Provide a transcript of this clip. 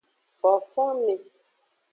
Fofonme.